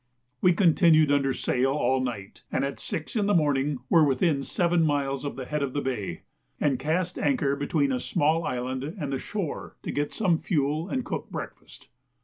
We continued under sail all night, and at 6 in the morning were within seven miles of the head of the Bay, and cast anchor between a small island and the shore to get some fuel and cook breakfast.